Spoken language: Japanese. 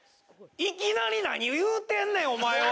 いきなり何を言うてんねんお前は！